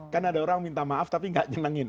kan ada orang minta maaf tapi gak nyenengin